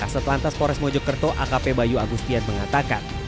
satlantas pores mojokerto akp bayu agustian mengatakan